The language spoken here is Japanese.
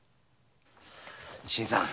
新さん。